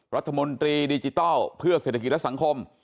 รัฐมนตรีดิจิทัลเพื่อเศรษฐกิจและสังคม